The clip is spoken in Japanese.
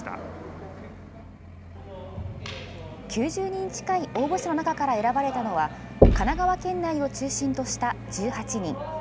９０人近い応募者の中から選ばれたのは神奈川県内を中心とした１８人。